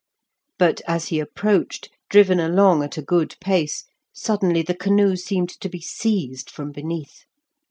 But as he approached, driven along at a good pace, suddenly the canoe seemed to be seized from beneath.